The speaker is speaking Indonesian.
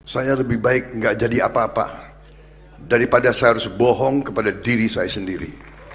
saya lebih baik tidak jadi apa apa daripada saya harus bohong kepada diri saya sendiri